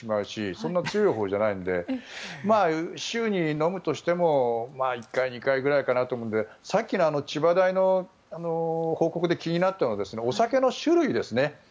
そんなに強いほうではないので週に飲むとしても１回、２回くらいかと思うのでさっきの千葉大の報告で気になったのはお酒の種類ですね。